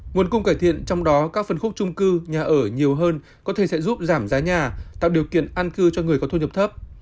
nguồn cung cải thiện trong đó các phân khúc trung cư nhà ở nhiều hơn có thể sẽ giúp giảm giá nhà tạo điều kiện an cư cho người có thu nhập thấp